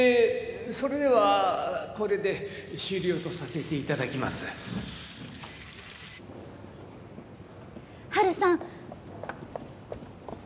それではこれで終了とさせていただきますハルさん